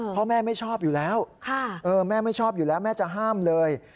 พ่อแม่ไม่ชอบอยู่แล้วแม่ไม่ชอบอยู่แล้วแม่จะห้ามเลย